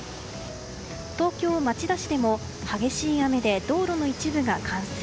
東京・町田市でも激しい雨で道路の一部が冠水。